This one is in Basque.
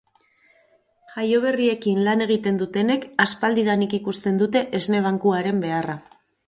Jaioberriekin lan egiten dutenek aspaldidanik ikusten dute esne bankuaren beharra.